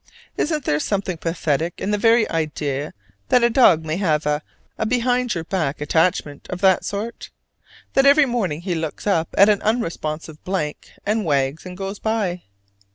Isn't there something pathetic in the very idea that a dog may have a behind your back attachment of that sort? that every morning he looks up at an unresponsive blank, and wags, and goes by?